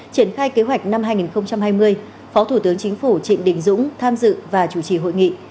triển khai kế hoạch năm hai nghìn hai mươi phó thủ tướng chính phủ trịnh đình dũng tham dự và chủ trì hội nghị